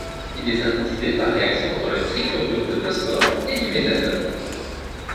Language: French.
Il est synthétisé par réaction entre le trichlorure de phosphore et du méthanol.